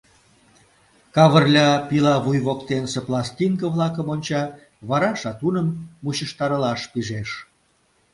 Кавырля пила вуй воктенсе пластинке-влакым онча, вара шатуным мучыштарылаш пижеш.